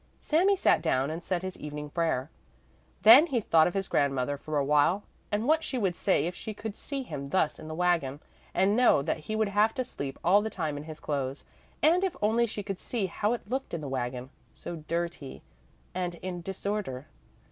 Sami sat down and said his evening prayer. Then he thought of his grandmother for a while, and what she would say if she could see him thus in the wagon, and know that he would have to sleep all the time in his clothes, and if only she could see how it looked in the wagon, so dirty and in disorder.